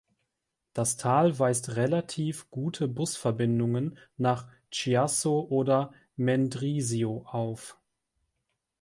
Das Tal weist relativ gute Busverbindungen nach Chiasso oder Mendrisio auf.